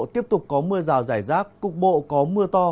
tiếp tục có mưa rào rải rác cục bộ có mưa to